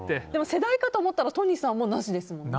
世代かと思ったら、都仁さんもなしですもんね。